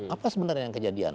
apa sebenarnya yang kejadian